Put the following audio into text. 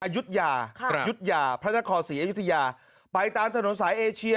อายุทยายุธยาพระนครศรีอยุธยาไปตามถนนสายเอเชีย